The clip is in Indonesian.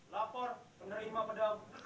lapor penerima pedang